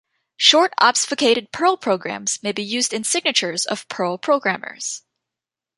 Short obfuscated Perl programs may be used in signatures of Perl programmers.